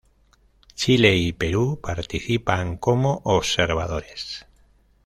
Chile y Perú participan como observadores.